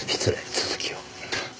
続きを。